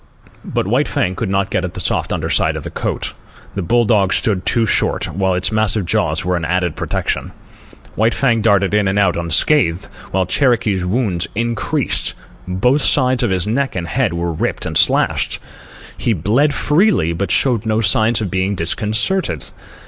But White Fang could not get at the soft underside of the throat. The bull dog stood too short, while its massive jaws were an added protection. White Fang darted in and out unscathed, while Cherokee's wounds increased. Both sides of his neck and head were ripped and slashed. He bled freely, but showed no signs of being disconcerted.